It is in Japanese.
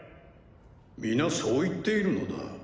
皆そう言っているのだ。